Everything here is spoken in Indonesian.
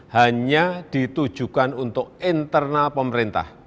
hanya ditujukan untuk internal pemerintah